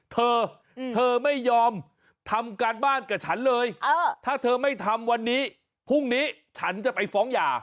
เธอเธอไม่ยอมทำการบ้านกับฉันเลยถ้าเธอไม่ทำวันนี้พรุ่งนี้ฉันจะไปฟ้องหย่า